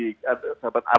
kebetulan saya juga lagi